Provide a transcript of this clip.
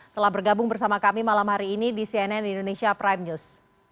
telah bergabung bersama kami malam hari ini di cnn indonesia prime news